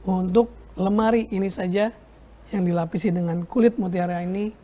untuk lemari ini saja yang dilapisi dengan kulit mutiara ini